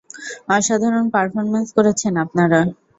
অসাধারণ পার্ফমেন্স করেছেন আপনারা।